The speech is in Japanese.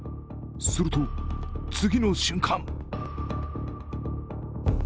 すると次の瞬間。